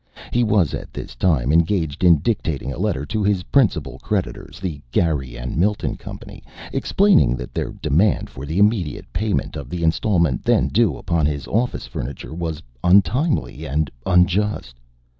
He was at this time engaged in dictating a letter to his principal creditors, the Gary & Milton Company, explaining that their demand for the immediate payment of the installment then due upon his office furniture was untimely and unjust.